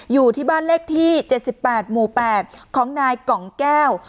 อยู่ที่บ้านเลขที่เจ็ดสิบแปดหมู่แปดของนายกล่องแก้ว